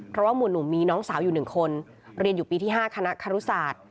เพราะว่าหมู่หนุ่มมีน้องสาวอยู่๑คนเรียนอยู่ปีที่๕คณะคารุศาสตร์